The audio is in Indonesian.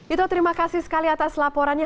itu terima kasih sekali atas laporannya